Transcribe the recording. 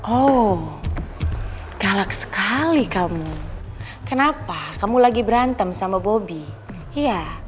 oh galak sekali kamu kenapa kamu lagi berantem sama bobby iya